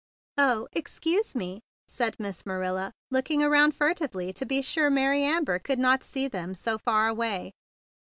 "Oh! excuse me," said Miss Marilla, looking around furtively to be sure Mary Amber could not see them so far away.